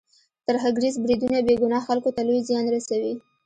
ترهګریز بریدونه بې ګناه خلکو ته لوی زیان رسوي.